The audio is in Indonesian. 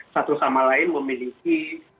satu sama lain memiliki